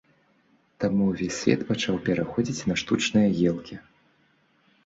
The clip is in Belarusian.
Таму ўвесь свет пачаў пераходзіць на штучныя елкі.